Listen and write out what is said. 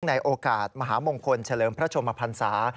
ในโอกาสมหามงคลเฉลิมพระชมพันศา